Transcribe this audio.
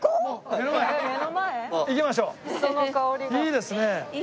いいですね。